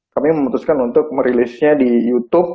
kami memutuskan untuk merilisnya di youtube